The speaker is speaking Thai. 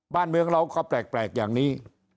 บ้านเมืองราวขอแปลกแปลกอย่างนี้